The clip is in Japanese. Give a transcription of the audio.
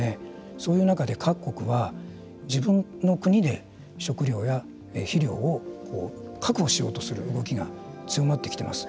そういう中で各国は、自分の国で食料や肥料を確保しようとする動きが強まってきています。